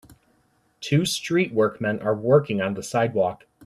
Two street Workman are working on the sidewalk.